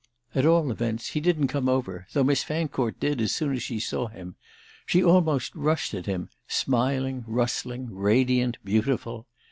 At all events he didn't come over though Miss Fancourt did as soon as she saw him—she almost rushed at him, smiling rustling radiant beautiful.